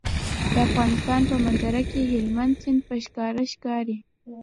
د افغانستان په منظره کې هلمند سیند په ښکاره ښکاري.